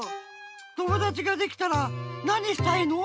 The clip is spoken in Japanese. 友だちができたらなにしたいの？